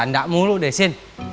canda mulu deh sin